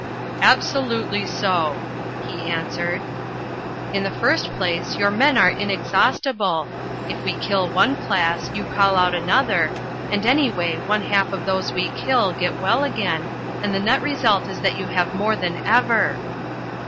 "Absolutely so," he answered. "In the first place, your men are inexhaustible. If we kill one class you call out another; and anyway one half of those we kill get well again, and the net result is that you have more than ever."